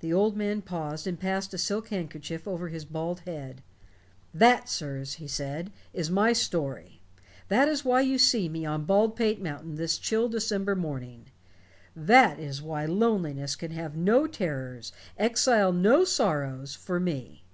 The old man paused and passed a silk handkerchief over his bald head. "That, sirs," he said, "is my story. That is why you see me on Baldpate Mountain this chill December morning. That is why loneliness can have no terrors, exile no sorrows, for me.